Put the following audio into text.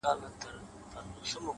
زه د ملي بیرغ په رپ ـ رپ کي اروا نڅوم”